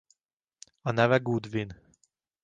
A neve Goodwin.